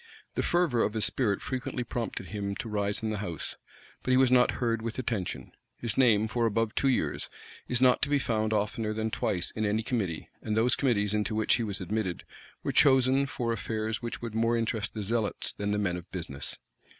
The fervor of his spirit frequently prompted him to rise in the house; but he was not heard with attention: his name, for above two years, is not to be found oftener than twice in any committee; and those committees into which he was admitted, were chosen for affairs which would more interest the zealots than the men of business.